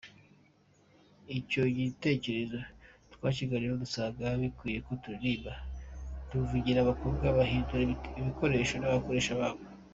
Icyo gitekerezo twakiganiriyeho dusanga bikwiye ko turirimba tuvugira abakobwa bahindurwa ibikoresho n’abakoresha babo.